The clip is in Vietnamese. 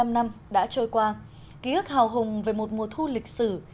bảy mươi năm năm đã trôi qua ký ức hào hùng về một mùa thu lịch sử